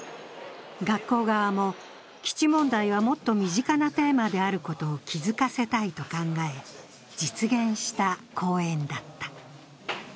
学校側も基地問題はもっと身近なテーマであることを気付かせたいと考え、実現した公演だった。